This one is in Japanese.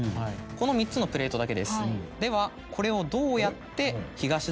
この３つのプレートだけですではこれを。